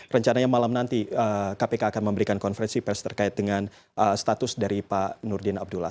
rencananya malam nanti kpk akan memberikan konferensi pers terkait dengan status dari pak nurdin abdullah